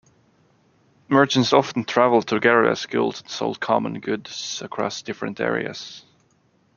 Merchants often travelled together as guilds and sold common goods across different areas.